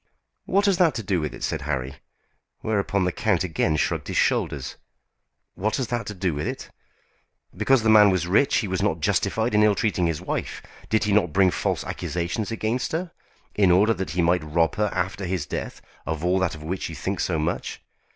"What has that to do with it?" said Harry; whereupon the count again shrugged his shoulders. "What has that to do with it? Because the man was rich he was not justified in ill treating his wife. Did he not bring false accusations against her, in order that he might rob her after his death of all that of which you think so much?